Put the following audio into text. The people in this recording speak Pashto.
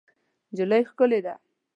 نجلۍ ښکلې ده.